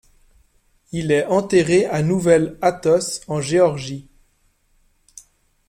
Il est enterré à Nouvel Athos, en Géorgie.